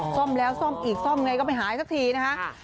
ซ่อมแล้วซ่อมอีกซ่อมไงก็ไม่หายสักทีนะคะ